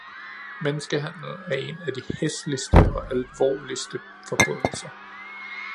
Menneskehandel er en af de hæsligste og alvorligste forbrydelser.